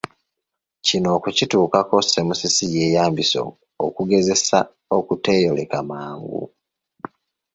Kino okukituukako Semusisi yeeyambisa okugezesa okuteeyoleka mangu.